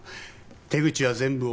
手口は全部同じ。